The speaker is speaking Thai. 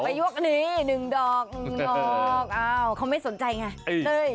ไปยั่วนี่หนึ่งดอกอ้าวเขาไม่สนใจไง